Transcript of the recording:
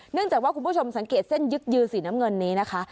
จากว่าคุณผู้ชมสังเกตเส้นยึกยือสีน้ำเงินนี้นะคะ